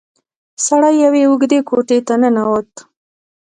سړی يوې اوږدې کوټې ته ننوت.